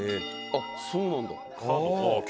あっそうなんだ。